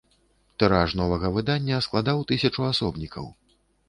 Тыраж новага выдання складаў тысячу асобнікаў.